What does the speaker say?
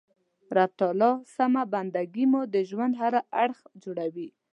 د رب تعالی سمه بنده ګي مو د ژوند هر اړخ جوړوي.